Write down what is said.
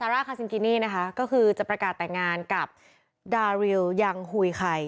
ราคาซิงกินี่นะคะก็คือจะประกาศแต่งงานกับดาริวยังหุยไข่